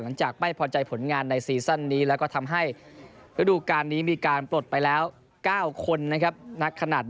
หลังจากไม่พอใจผลงานในซีซั่นนี้และทำให้รูดูการนี้มีการปลดไปแล้ว๙คน